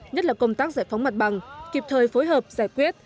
nhất là công tác giải phóng mặt bằng kịp thời phối hợp giải quyết